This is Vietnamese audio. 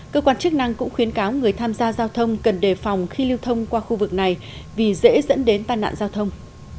cơ quan chức năng cũng khuyến cáo người tham gia giao thông cần đề phòng khi lưu thông qua khu vực này vì dễ dẫn đến tai nạn giao thông